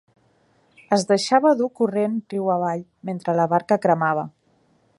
Es deixava dur corrent riu avall, mentre la barca cremava.